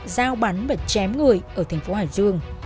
giao bắn và chém người ở thành phố hải dương